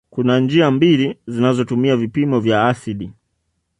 Kuna njia mbili zinazotumia vipimo vya asidi